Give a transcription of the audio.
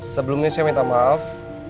sebelumnya saya minta maaf